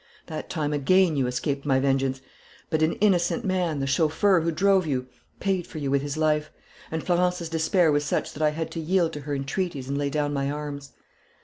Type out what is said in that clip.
That time again you escaped my vengeance. But an innocent man, the chauffeur who drove you, paid for you with his life; and Florence's despair was such that I had to yield to her entreaties and lay down my arms.